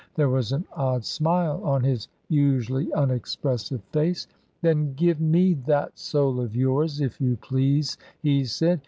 There was an odd smile on his usually unexpressive face. "Then give me that soul of yours, if you please," he said.